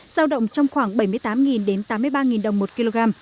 giao động trong khoảng bảy mươi tám đến tám mươi ba đồng một kg